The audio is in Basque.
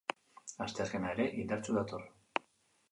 Asteazkena ere indartsu dator.